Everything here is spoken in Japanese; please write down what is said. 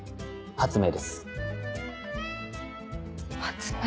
発明。